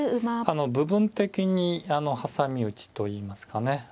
部分的に挟み撃ちといいますかね